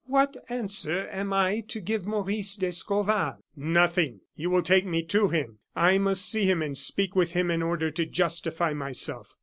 What answer am I to give Maurice d'Escorval?" "Nothing! You will take me to him. I must see him and speak with him in order to justify myself.